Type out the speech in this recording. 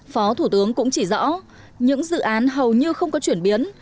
phó thủ tướng cũng chỉ rõ những dự án hầu như không có chuyển biến